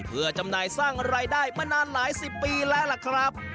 เพื่อจำหน่ายสร้างรายได้มานานหลายสิบปีแล้วล่ะครับ